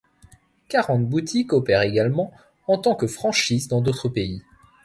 Quarante boutiques opèrent également en tant que franchises dans d'autres pays.